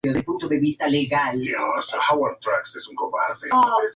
Vuelve a mudarse, esta vez a Oporto, donde conoce a Sampaio Bruno.